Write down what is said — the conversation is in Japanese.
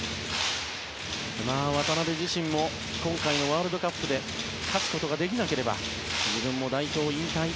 渡邊自身も今回のワールドカップで勝つことができなければ自分も代表引退